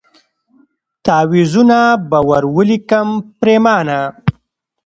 تعویذونه به ور ولیکم پرېمانه